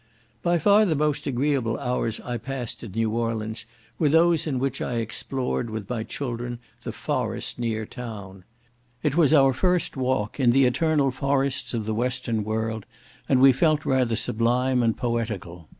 By far the most agreeable hours I passed at New Orleans were those in which I explored with my children the forest near the town. It was our first walk in "the eternal forests of the western world," and we felt rather sublime and poetical.